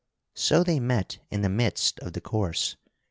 So they met in the midst of the course.